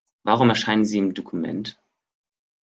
Warum erscheinen sie im Dokument?